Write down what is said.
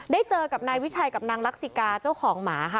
เจอกับนายวิชัยกับนางลักษิกาเจ้าของหมาค่ะ